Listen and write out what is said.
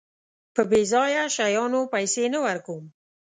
په بېځايه شيانو پيسې نه ورکوم.